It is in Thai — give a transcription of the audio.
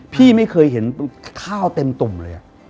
พี่ไม่เคยเห็นข้าวเต็มตุ่มเลย